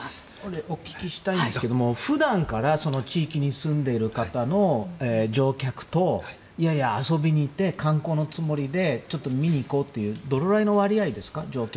お聞きしたいんですけど普段からその地域に住んでいる方の乗客と遊びに行って観光のつもりで見に行こうというのはどのぐらいの割合ですか？